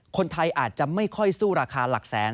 คนไทยอาจจะไม่ค่อยสู้ราคาหลักแสน